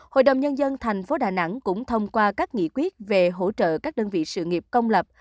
hội đồng nhân dân thành phố đà nẵng cũng thông qua các nghị quyết về hỗ trợ các đơn vị sự nghiệp công lập